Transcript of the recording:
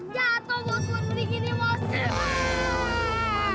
jatoh buat poin beringin nih bos